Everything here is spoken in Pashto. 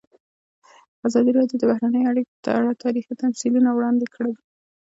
ازادي راډیو د بهرنۍ اړیکې په اړه تاریخي تمثیلونه وړاندې کړي.